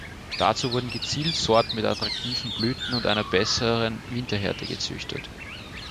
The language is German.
Dazu wurden gezielt Sorten mit attraktiven Blüten und einer besseren Winterhärte gezüchtet.